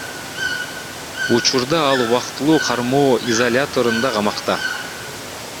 Учурда ал убактылуу кармоо изоляторунда камакта.